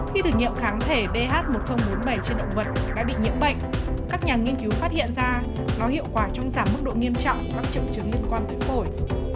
khi thử nghiệm kháng thể ph một nghìn bốn mươi bảy trên động vật đã bị nhiễm bệnh các nhà nghiên cứu phát hiện ra nó hiệu quả trong giảm mức độ nghiêm trọng các triệu chứng liên quan tới phổi